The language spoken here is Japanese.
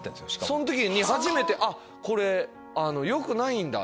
そん時に初めてこれよくないんだ！